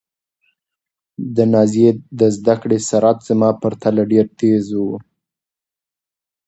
د نازيې د زده کړې سرعت زما په پرتله ډېر تېز و.